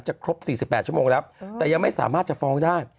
ครบ๔๘ชั่วโมงแล้วแต่ยังไม่สามารถจะฟ้องได้